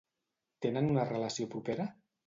Tenen una relació propera?